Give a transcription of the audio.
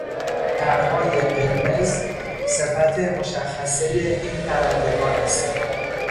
پرهای قرمز صفت مشخصهی این پرندگان است.